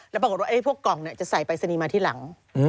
แล้วปรากฏว่าพวกกล่องเนี่ยจะใส่ไปสนีมาที่หลัง